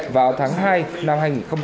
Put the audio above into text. vào tháng hai năm hai nghìn một mươi chín